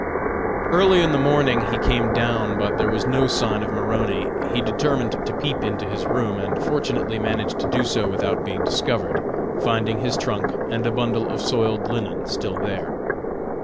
Early in the morning he came down but there was no sign of Maroney. He determined to peep into his room, and fortunately managed to do so without being discovered, finding his trunk and a bundle of soiled linen still there.